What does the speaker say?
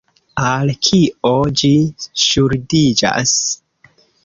Al kio ĝi ŝuldiĝas?